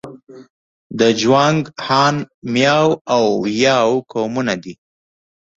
د جوانګ، هان، میاو او یاو قومونه دي.